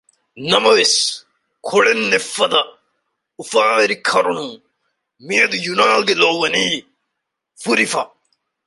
ނަމަވެސް ކޮޅެއް ނެތްފަދަ އުފާވެރި ކަރުނުން މިއަދު ޔުނާލްގެ ލޯ ވަނީ ފުރިފަ